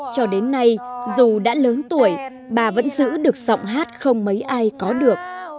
cho đến nay dù đã lớn tuổi bà vẫn giữ được giọng hát không mấy ai có được